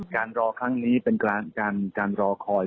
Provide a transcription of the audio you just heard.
การรอครั้งนี้เป็นการรอคอย